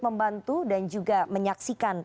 membantu dan juga menyaksikan